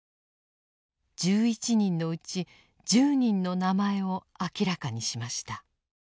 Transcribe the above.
１１人のうち１０人の名前を明らかにしました。